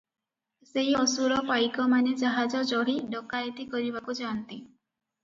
ସେଇ ଅସୁର ପାଇକମାନେ ଜାହାଜ ଚଢ଼ି ଡକାଏତି କରିବାକୁ ଯାନ୍ତି ।"